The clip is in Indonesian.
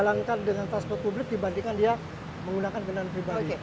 melangkangkan dengan transport publik dibandingkan dia menggunakan benar pribadi